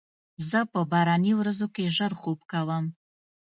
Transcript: زه په باراني ورځو کې ژر خوب کوم.